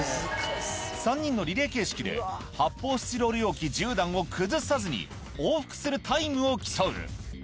３人のリレー形式で、発泡スチロール容器１０段を崩さずに往復するタイムを競う。